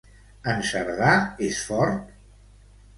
En Cerdà és fort?